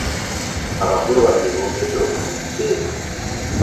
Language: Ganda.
Abakulu bano bye boogedde obiwulidde.